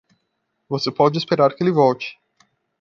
Você pode esperar que ele volte.